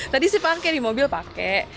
tadi sih pakai di mobil pakai